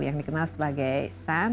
yang dikenal sebagai sam